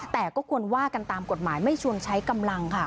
แต่ก็ควรว่ากันตามกฎหมายไม่ชวนใช้กำลังค่ะ